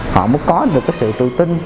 họ mới có được cái sự tự tin